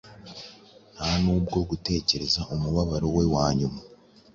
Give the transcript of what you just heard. Nta n’ubwo gutekereza umubabaro we wa nyuma